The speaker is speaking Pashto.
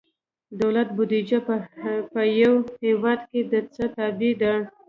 دولت بودیجه په یو هیواد کې د څه تابع ده؟